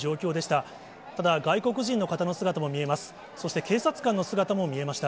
ただ、外国人の方の姿も見えます。